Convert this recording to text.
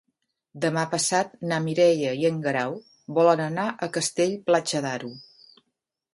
Demà passat na Mireia i en Guerau volen anar a Castell-Platja d'Aro.